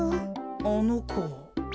あのこ。